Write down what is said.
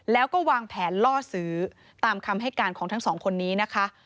แล้วก็วางแผนล่อซื้อตามคำให้การของทั้งสองคนนี้นะคะ